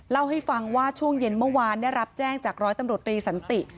เล่าให้ฟังว่าช่วงเย็นเมื่อวานได้รับแจ้งจากร้อยตำรวจรีสันติ